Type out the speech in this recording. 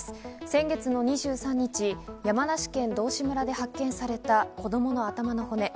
先月の２３日、山梨県道志村で発見された子供の頭の骨。